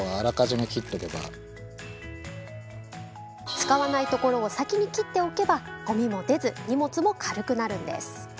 使わないところを先に切っておけばゴミも出ず荷物も軽くなるんです。